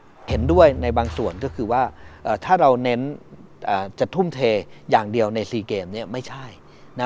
ก็เห็นด้วยในบางส่วนก็คือว่าถ้าเราเน้นจะทุ่มเทอย่างเดียวใน๔เกมเนี่ยไม่ใช่นะ